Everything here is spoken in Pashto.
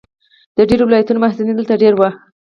د ډېرو ولایتونو محصلین دلته دېره وو.